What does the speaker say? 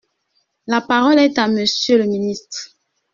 La parole est à Monsieur le ministre.